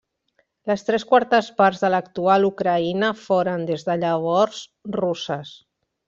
Les tres quartes parts de l'actual Ucraïna foren, des de llavors, russes.